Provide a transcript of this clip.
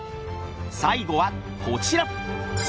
最後はこちら！